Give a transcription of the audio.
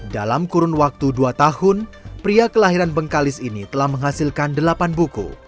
dalam kurun waktu dua tahun pria kelahiran bengkalis ini telah menghasilkan delapan buku